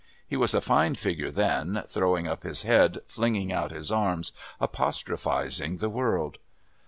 He was a fine figure then, throwing up his head, flinging out his arms, apostrophising the world.